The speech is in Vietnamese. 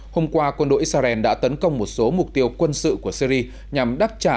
hôm qua quân đội israel đã tấn công một số mục tiêu quân sự của syri nhằm đáp trả